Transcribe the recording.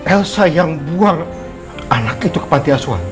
elsa yang buang anak itu ke pantiaswa